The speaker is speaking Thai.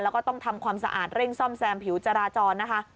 แล้วก็ต้องทำความสะอาดเร่งซ่อมแซมผิวจราจรนะคะ